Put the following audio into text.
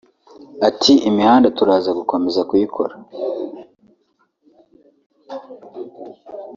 Ati “Imihanda turaza gukomeza kuyikora